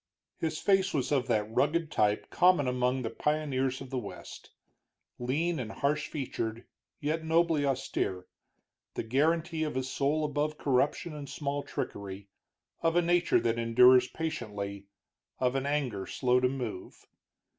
His face was of that rugged type common among the pioneers of the West, lean and harsh featured, yet nobly austere, the guarantee of a soul above corruption and small trickery, of a nature that endures patiently, of an anger slow to move.